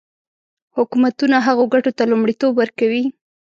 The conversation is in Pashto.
حکومتونه هغو ګټو ته لومړیتوب ورکوي.